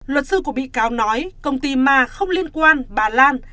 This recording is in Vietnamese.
luật sư của bị cáo nói công ty mà không liên quan bà lan